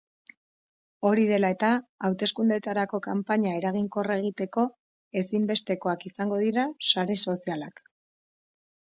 Hori dela eta, hauteskundeetarako kanpaina eraginkorra egiteko ezinbestekoak izango dira sare sozialak.